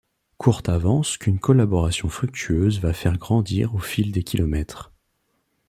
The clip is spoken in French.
Courte avance qu'une collaboration fructueuse va faire grandir au fil des kilomètres.